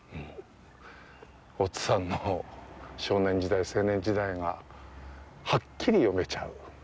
大津さんの少年時代、青年時代がはっきり読めちゃう。